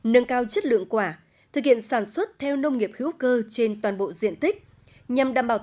nâng cao chất lượng quả thực hiện sản xuất theo nông nghiệp hữu cơ trên toàn bộ diện tích nhằm đảm bảo